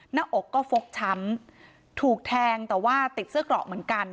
หน้าอกก็ฟกช้ำถูกแทงแต่ว่าติดเสื้อเกราะเหมือนกัน